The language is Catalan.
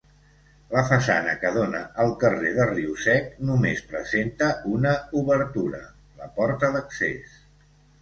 La façana que dóna al carrer de Riu-Sec només presenta una obertura, la porta d'accés.